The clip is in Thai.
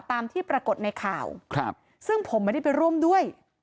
ตามที่ปรากฏในข่าวซึ่งผมไม่ได้ไปร่วมด้วย